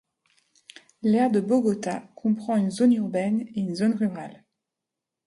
L'aire de Bogota comprend une zone urbaine et une zone rurale.